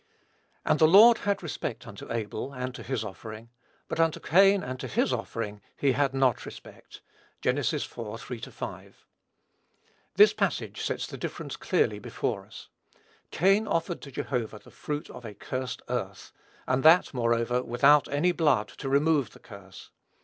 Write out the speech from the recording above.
And the Lord had respect unto Abel, and to his offering; but unto Cain and to his offering, he had not respect." (Gen. iv. 3 5.) This passage sets the difference clearly before us: Cain offered to Jehovah the fruit of a cursed earth, and that, moreover, without any blood to remove the curse.